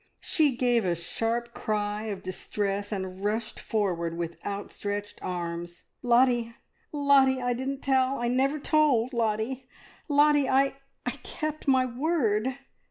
She gave a sharp cry of distress, and rushed forward with outstretched arms. "Lottie, Lottie, I didn't tell! I never told Lottie, Lottie, I kept my word!"